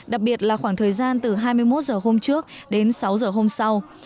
đặc biệt là khoảng thời gian từ hai mươi một h hôm trước đến sáu h hôm sau